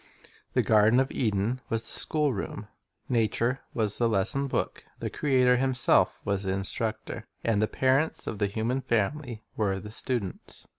The garden of Eden was the schoolroom, nature was the lesson book, the Creator Himself was the instructor, and the parents of the human family were the students.